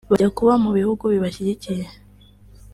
bajya kuba mu bihugu bibashyigikiye